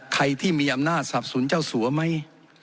ใครที่มีอำนาจสรรพสุนเจ้าสู่อไหม